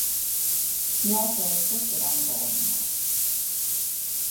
He also assisted on a goal in the match.